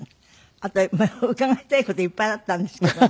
あと伺いたい事いっぱいあったんですけれども。